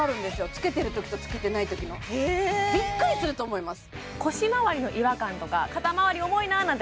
着けてるときと着けてないときのへえびっくりすると思います